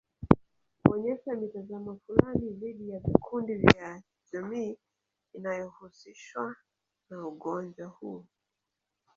Kuonyesha mitazamo fulani dhidi ya vikundi vya jamii inayohusishwana ugonjwa huu